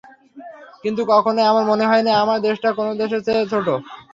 কিন্তু কখনোই আমার মনে হয়নি, আমার দেশটা কোনো দেশের চেয়ে ছোট।